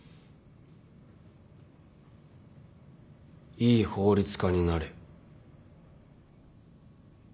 いい法律家になれ。